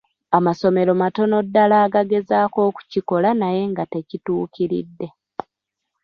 Amasomero matono ddala agagezako okukikola naye nga tekituukiridde.